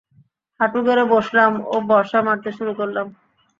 হাঁটু গেড়ে বসলাম ও বর্শা মারতে শুরু করলাম।